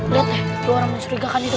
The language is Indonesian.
lihat tuh orang mensurigakan itu